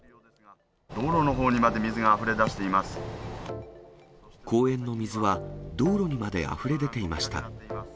道路のほうにまで水があふれ公園の水は、道路にまであふれ出ていました。